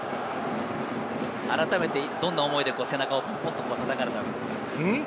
あらためてどんな思いで背中をポンポンと叩かれたんですか？